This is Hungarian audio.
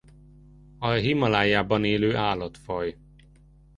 A Himalájában élő állatfaj.